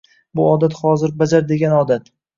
Bu odat hozir bajar degan odat